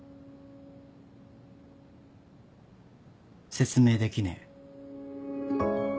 説明できねえ。